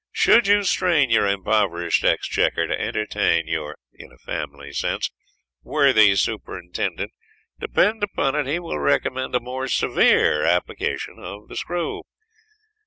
Should you strain your impoverished exchequer to entertain your (in a family sense) worthy superintendent, depend upon it he will recommend a more severe application of the screw.